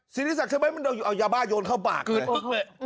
ศิษฐศักดิ์ใช่ไหมมันเอายาบ้าโยนเข้าปากเลย